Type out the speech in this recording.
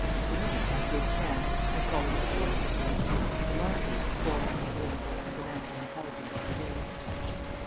To me, by good chance, has fallen the sporting page; to Margery the foreign, political, and financial intelligence of the day.